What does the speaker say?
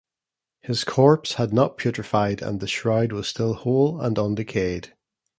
His corpse had not putrified and the shroud was still whole and undecayed.